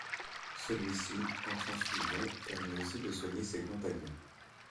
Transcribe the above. Celui-ci, en transfusion, permet aussi de soigner ses compagnons.